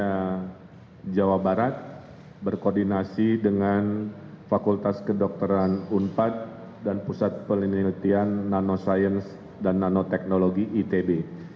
karena jawa barat berkoordinasi dengan fakultas kedokteran unpad dan pusat penelitian nanoscience dan nanoteknologi itb